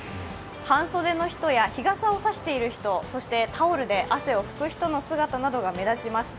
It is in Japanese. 半袖の人や日傘を差している人、タオルで汗をふく人の姿などが目立ちます。